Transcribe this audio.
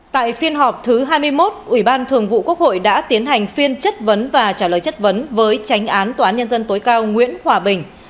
tại phiên họp thứ hai mươi một ủy ban thường vụ quốc hội đã tiến hành phiên chất vấn và trả lời chất vấn với tránh án tòa án nhân dân tối cao nguyễn hòa bình